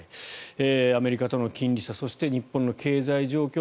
アメリカとの金利差そして日本の経済状況